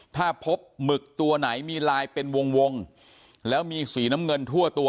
ถ้าพบหมึกตัวไหนมีลายเป็นวงวงแล้วมีสีน้ำเงินทั่วตัว